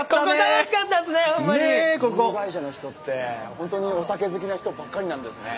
ビール会社の人って本当にお酒好きな人ばっかりなんですね。